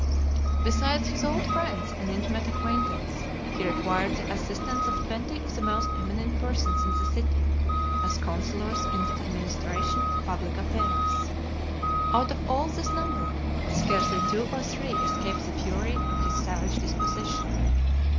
LV. Besides his old friends and intimate acquaintance, he required the assistance of twenty of the most eminent persons in the city, as counsellors in the administration of public affairs. Out of all this number, scarcely two or three escaped the fury of his savage disposition.